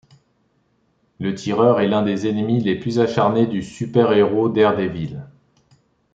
Le Tireur est l'un des ennemis les plus acharnés du super-héros Daredevil.